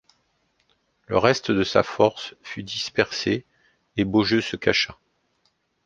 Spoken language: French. Le reste de sa force fut dispersé et Beaujeu se cacha.